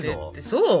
そう？